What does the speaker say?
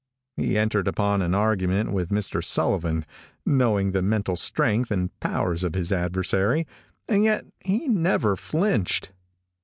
He entered upon an argument with Mr. Sullivan, knowing the mental strength and powers of his adversary, and yet he never flinched.